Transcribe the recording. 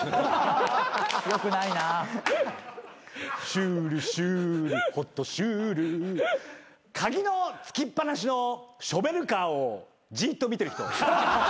「シュールシュールホトシュール」鍵の付きっ放しのショベルカーをじっと見てる人。